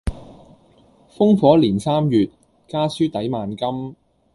烽火連三月，家書抵萬金。